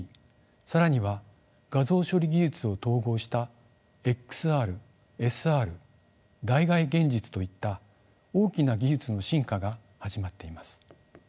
更には画像処理技術を統合したｘＲＳＲ代替現実といった大きな技術の進化が始まっています。